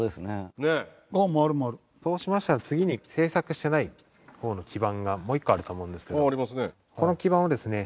そうしましたら次に製作してない方の基板がもう１個あると思うんですけどこの基板をですね